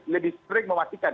lebih sering mematikan